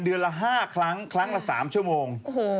เดือนละ๕ครั้งครั้งละ๓ชั่วโมง